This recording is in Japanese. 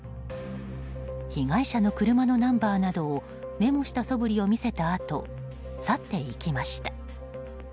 被害者の車のナンバーなどをメモしたそぶりを見せたあと去っていきました。